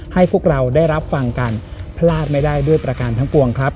ให้พวกเราได้รับฟังกันพลาดไม่ได้ด้วยประการทั้งปวงครับ